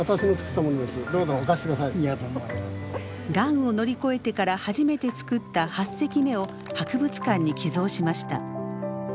がんを乗り越えてから初めて作った８隻目を博物館に寄贈しました。